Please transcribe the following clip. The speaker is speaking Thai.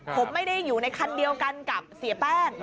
ผมไม่ได้อยู่ในคันเดียวกันกับเสียแป้ง